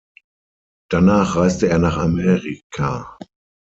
Danach reiste er nach Amerika.